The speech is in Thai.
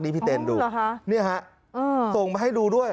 นี่พี่เต้นดูนี่ฮะส่งมาให้ดูด้วย